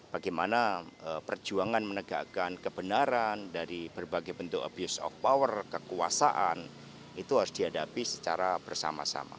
bagaimana perjuangan menegakkan kebenaran dari berbagai bentuk abuse of power kekuasaan itu harus dihadapi secara bersama sama